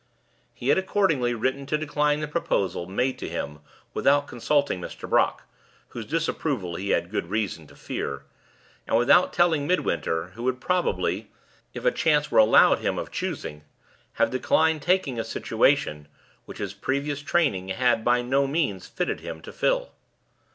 He had accordingly written to decline the proposal made to him without consulting Mr. Brock, whose disapproval he had good reason to fear; and without telling Midwinter, who would probably (if a chance were allowed him of choosing) have declined taking a situation which his previous training had by no means fitted him to fill.